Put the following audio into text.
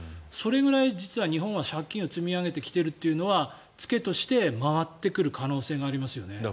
それくらい実は日本は借金を積み上げてきているというのは付けとして回ってくる可能性がありますよね。